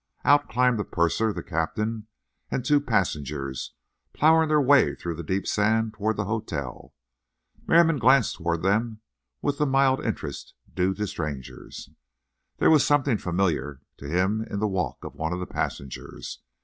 Out climbed the purser, the captain and two passengers, ploughing their way through the deep sand toward the hotel. Merriam glanced toward them with the mild interest due to strangers. There was something familiar to him in the walk of one of the passengers.